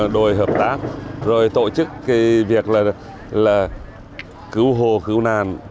đội hợp tác tổ chức việc cứu hồ cứu nàn